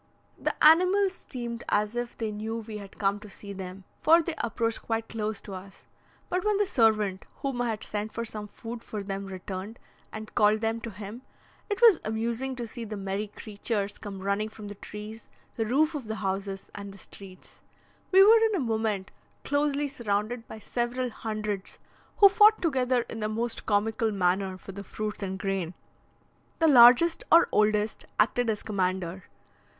The animals seemed as if they knew we had come to see them, for they approached quite close to us; but when the servant, whom I had sent for some food for them, returned, and called them to him, it was amusing to see the merry creatures come running from the trees, the roofs of the houses, and the streets. We were in a moment closely surrounded by several hundreds, who fought together in the most comical manner for the fruits and grain. The largest or oldest acted as commander.